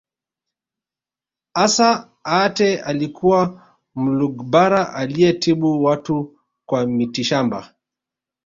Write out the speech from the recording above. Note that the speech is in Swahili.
Assa Aatte alikuwa Mlugbara aliyetibu watu kwa mitishamba